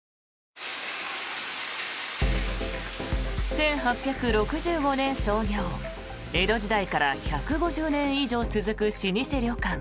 １８６５年創業江戸時代から１５０年以上続く老舗旅館